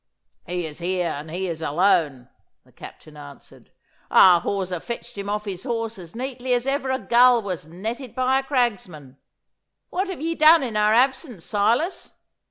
'He is here, and he is alone,' the Captain answered. 'Our hawser fetched him off his horse as neatly as ever a gull was netted by a cragsman. What have ye done in our absence, Silas!